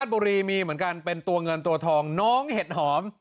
บุรีมีเหมือนกันเป็นตัวเงินตัวทองน้องเห็ดหอม